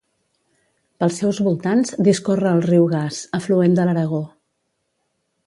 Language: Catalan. Pels seus voltants discorre el riu Gas, afluent de l'Aragó.